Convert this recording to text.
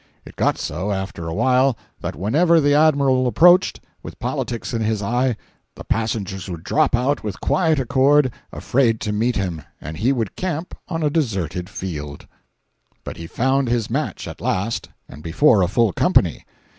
It got so, after a while, that whenever the Admiral approached, with politics in his eye, the passengers would drop out with quiet accord, afraid to meet him; and he would camp on a deserted field. 449.jpg (34K) But he found his match at last, and before a full company.